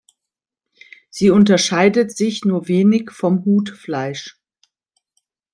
Sie unterscheidet sich nur wenig vom Hutfleisch.